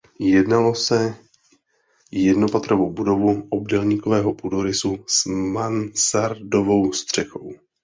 Jednalo se jednopatrovou budovu obdélníkového půdorysu s mansardovou střechou.